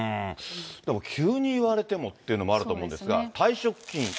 でも急に言われてもっていうのもあると思うんですが、退職金。